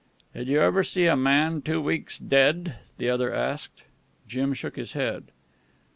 "Did you ever see a man two weeks dead?" the other asked. Jim shook his head.